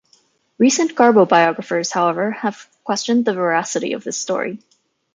Recent Garbo biographers, however, have questioned the veracity of this story.